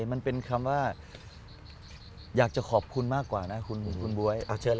มันเป็นคำว่าอยากจะขอบคุณมากกว่านะคุณบ๊วย